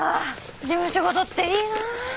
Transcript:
事務仕事っていいなあ！